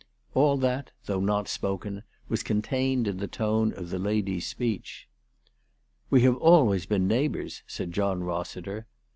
All that, though not spoken, was contained in the tone* of the lady's speech. "We have always been neighbours," said John Hossiter.